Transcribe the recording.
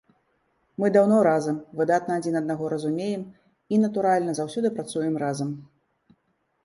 Мы даўно разам, выдатна адзін аднаго разумеем і, натуральна, заўсёды працуем разам.